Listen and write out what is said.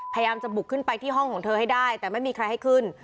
พยายามจะบุกขึ้นไปที่ห้องของเธอให้ได้แต่ไม่มีใครให้ขึ้น